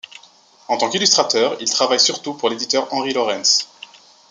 En tant qu'illustrateur, il travaille surtout pour l'éditeur Henri Laurens.